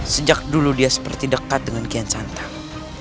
sejak dulu dia seperti dekat dengan kian santang